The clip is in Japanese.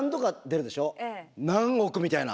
何億みたいな。